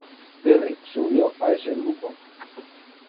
Terry se unió a ese grupo.